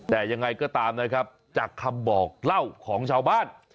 แต่ยังไงก็ตามนะครับจากคำบอกเล่าของชาวบ้าน